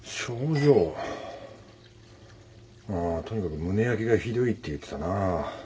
あとにかく胸焼けがひどいって言ってたな。